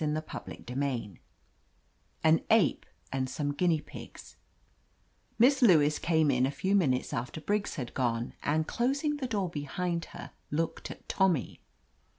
1^' ■»>\ CHAPTER X AN APE AND SOME GUINEA PIGS MISS LEWIS came in a few minutes after Briggs had gone, and, closing the door behind her, looked at Tommy.